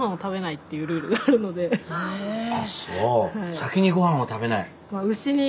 先にごはんを食べない。